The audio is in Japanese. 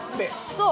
そう。